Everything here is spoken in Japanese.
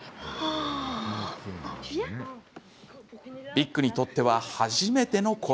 ビックにとっては初めての恋。